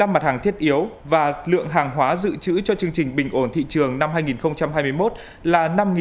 một mươi năm mặt hàng thiết yếu và lượng hàng hóa dự trữ cho chương trình bình ổn thị trường năm hai nghìn hai mươi một là năm sáu trăm chín mươi tám tỷ đồng